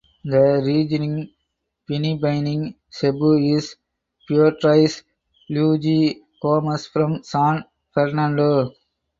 The reigning Binibining Cebu is Beatrice Luigi Gomez from San Fernando.